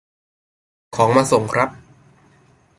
ของมาส่งครับ